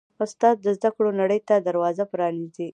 استاد د زده کړو نړۍ ته دروازه پرانیزي.